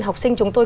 học sinh chúng tôi